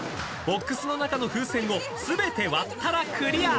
［ボックスの中の風船を全て割ったらクリア］